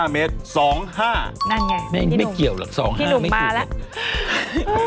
๕เมตร๒๕นั่นไงพี่หนุ่มบาละไม่เกี่ยวหรอก๒๕ไม่ถูก